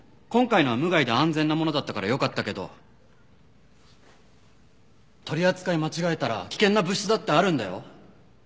今回のは無害で安全なものだったからよかったけど取り扱い間違えたら危険な物質だってあるんだよ。